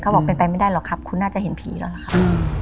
บอกเป็นไปไม่ได้หรอกครับคุณน่าจะเห็นผีแล้วล่ะครับ